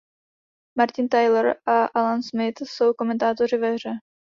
Martin Tyler a Alan Smith jsou komentátoři ve hře.